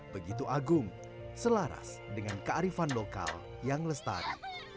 begitu agung selaras dengan kearifan lokal yang lestari